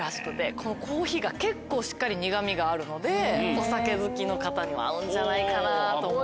このコーヒーが結構しっかり苦味があるのでお酒好きの方には合うんじゃないかなと思って。